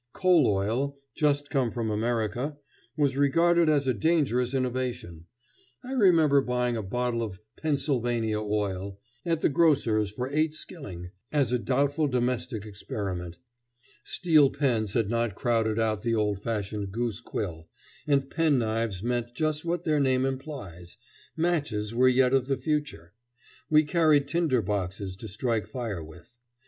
Coal oil, just come from America, was regarded as a dangerous innovation. I remember buying a bottle of "Pennsylvania oil" at the grocer's for eight skilling, as a doubtful domestic experiment. Steel pens had not crowded out the old fashioned goose quill, and pen knives meant just what their name implies. Matches were yet of the future. We carried tinder boxes to strike fire with.